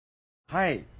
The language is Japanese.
はい。